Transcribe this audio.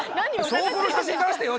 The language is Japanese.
証拠の写真出してよ